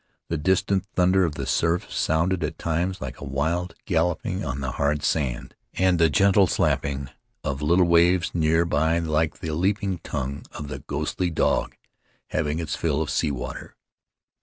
The dis tant thunder of the surf sounded at times like a wild galloping on the hard sand, and the gentle slapping of Faery Lands of the South Seas little waves near by like the lapping tongue of the ghostly dog having its fill of sea water.